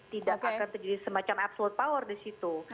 tidak akan terjadi semacam absolut power di situ